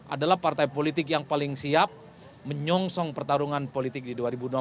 adalah partai politik yang paling siap menyongsong pertarungan politik di dua ribu dua puluh empat